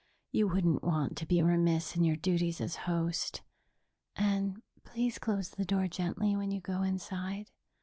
"You wouldn't want to be remiss in your duties as host. And please close the door gently when you go inside.